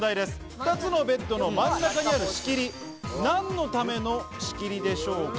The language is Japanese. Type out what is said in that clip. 二つのベッドの真ん中にある仕切り、何のための仕切りでしょうか？